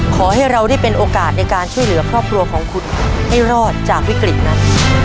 ขอให้เราได้เป็นโอกาสในการช่วยเหลือครอบครัวของคุณให้รอดจากวิกฤตนั้น